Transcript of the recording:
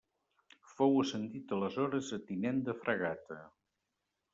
Fou ascendit aleshores a tinent de fragata.